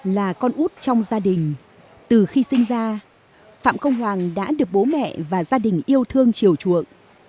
là con út trong gia đình từ khi sinh ra phạm công hoàng đã được bố mẹ và gia đình yêu thương chiều chuộng